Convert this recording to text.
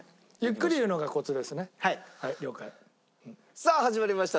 さあ始まりました